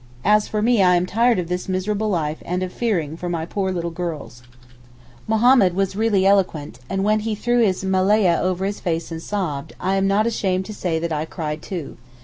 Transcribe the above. As for me I am tired of this miserable life and of fearing for my poor little girls.' Mahommed was really eloquent, and when he threw his melayeh over his face and sobbed, I am not ashamed to say that I cried too.